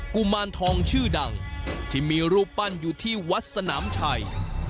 กุมารทองชื่อดังที่มีรูปปั้นอยู่ที่วัดสนามชัย